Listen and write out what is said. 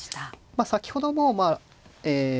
先ほどもまあえ